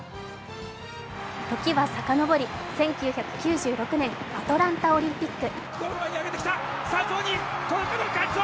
時はさかのぼり、１９９６年、アトランタオリンピック。